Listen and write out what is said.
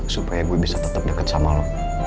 supaya gue bisa tetep deket sama lo